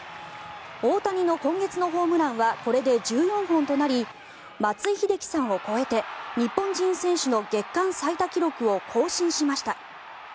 大谷の今月のホームランはこれで１４本となり松井秀喜さんを超えて日本人選手の月間最多記録を更新しました。